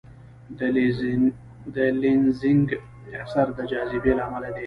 د لینزینګ اثر د جاذبې له امله دی.